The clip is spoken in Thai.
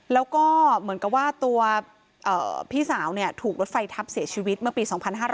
แล้วก็เหมือนกับว่าตัวพี่สาวถูกรถไฟทับเสียชีวิตเมื่อปี๒๕๕๙